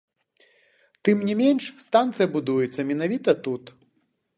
Тым не менш, станцыя будуецца менавіта тут.